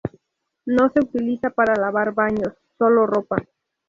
No se utiliza para lavar baños, solo ropa.